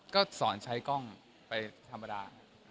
ก็สอนใช้กล้องไปธรรมดา